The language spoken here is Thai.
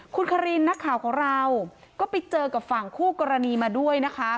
คุณคารินนักข่าวของเราก็ไปเจอกับฝั่งคู่กรณีมาด้วยนะคะ